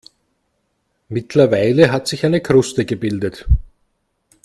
Mittlerweile hat sich eine Kruste gebildet.